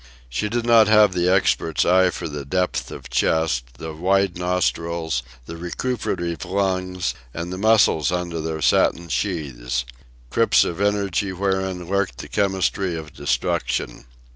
She did not have the expert's eye for the depth of chest, the wide nostrils, the recuperative lungs, and the muscles under their satin sheaths crypts of energy wherein lurked the chemistry of destruction.